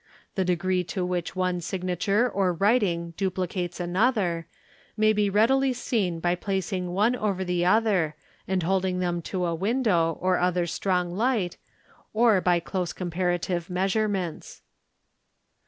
The degree to which one signature or writing duplicates another may be rea dily seen by placing one over the other and holding them to a window — or other strong light, or by close comparative measurements.